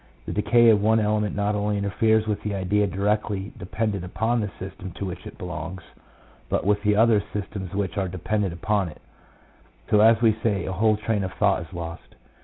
The decay of one element not only interferes with the idea directly dependent upon the system to which it belongs, but with the other systems which are dependent upon it; so, as we say, a whole train of thought is lost.